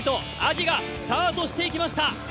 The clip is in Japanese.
スタートしていきました。